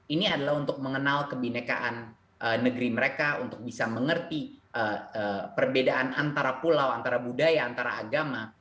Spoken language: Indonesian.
ini adalah untuk mengenal kebinekaan negeri mereka untuk bisa mengerti perbedaan antara pulau antara budaya antara agama